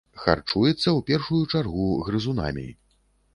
Харчуецца ў першую чаргу грызунамі.